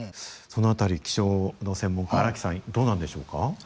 その辺り気象の専門家荒木さんどうなんでしょうか。